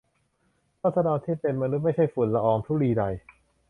ราษฎรที่เป็นมนุษย์ไม่ใช่ฝุ่นละอองธุลีใด